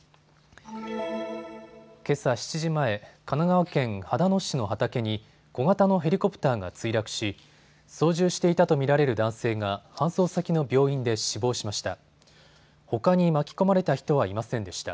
けさ７時前、神奈川県秦野市の畑に小型のヘリコプターが墜落し操縦していたと見られる男性が搬送先の病院で死亡しました。